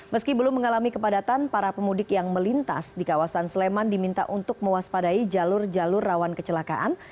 meski belum mengalami kepadatan para pemudik yang melintas di kawasan sleman diminta untuk mewaspadai jalur jalur rawan kecelakaan